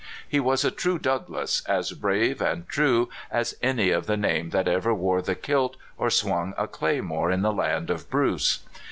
He was a true Doug lass, as brave and true as anv of the name that ever wore the kilt or swung a claymore in the land of Bruce.